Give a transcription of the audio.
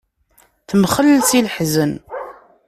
Temxell si leḥzen.